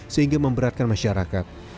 sehingga memberatkan masyarakat